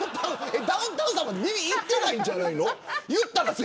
ダウンタウンさんの耳にいっていないんじゃないの。